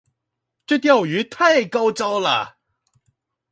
這釣魚太高招了